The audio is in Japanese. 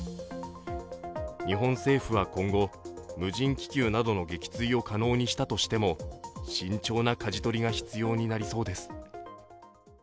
日本政府は今後、無人気球などの撃墜を可能にしたとしても慎重なかじ取りが必要になりそうです。